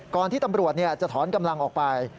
ที่ตำรวจจะถอนกำลังออกไป